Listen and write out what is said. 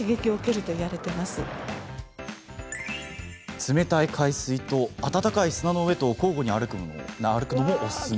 冷たい海水と温かい砂の上とを交互に歩くのもおすすめ。